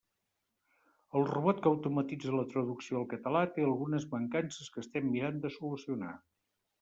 El robot que automatitza la traducció al català té algunes mancances que estem mirant de solucionar.